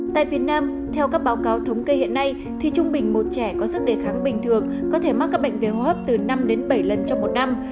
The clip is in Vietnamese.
tại việt nam theo các báo cáo thống kê hiện nay thì trung bình một trẻ có sức đề kháng bình thường có thể mắc các bệnh về hô hấp từ năm đến bảy lần trong một năm